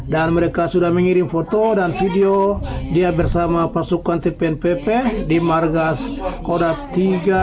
dan mereka sudah mengirim foto dan video dia bersama pasukan tpnpb di margas kodak tiga dua satu